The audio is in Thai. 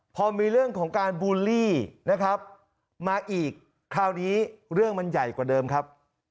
พอมีเรื่องของการบูลลี่นะครับมาอีกคราวนี้เรื่องมันใหญ่กว่าเดิมครับ